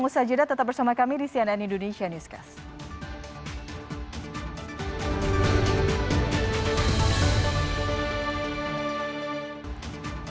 ngus sajidah tetap bersama kami di cnn indonesia newscast